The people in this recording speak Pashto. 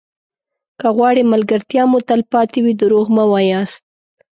که غواړئ ملګرتیا مو تلپاتې وي دروغ مه وایاست.